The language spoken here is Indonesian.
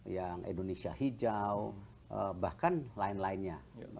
yang indonesia hijau bahkan lain lainnya